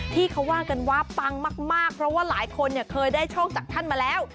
ที่เขาว่ากันว่าปังมากเพราะว่าหลายคนเคยได้โชคจากท่านมาแล้ว